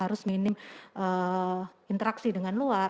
harus minim interaksi dengan luar